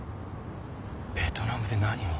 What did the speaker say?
ベトナムで何を？